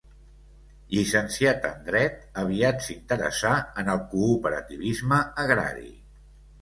Llicenciat en dret, aviat s'interessà en el cooperativisme agrari.